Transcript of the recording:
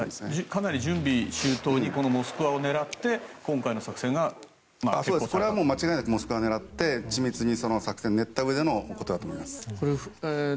かなり用意周到に「モスクワ」を狙ってそれは間違いなく「モスクワ」を狙って緻密に作戦を練ったうえでのことだと思います。